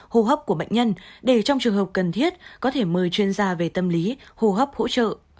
hô hấp của bệnh nhân để trong trường hợp cần thiết có thể mời chuyên gia về tâm lý hô hấp hỗ trợ